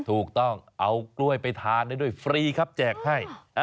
ถูกต้องเอากล้วยไปทานได้ด้วยฟรีครับแจกให้